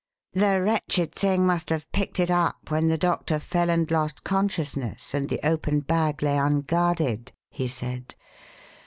"The wretched thing must have picked it up when the doctor fell and lost consciousness and the open bag lay unguarded," he said.